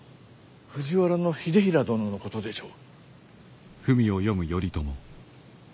藤原秀衡殿のことでしょう。